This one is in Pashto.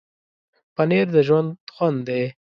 پنېر د ژوند خوند دی.